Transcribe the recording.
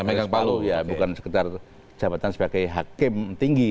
harus palu ya bukan sekedar jabatan sebagai hakim tinggi